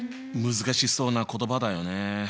難しそうな言葉だよね。